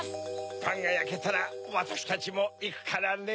パンがやけたらわたしたちもいくからね。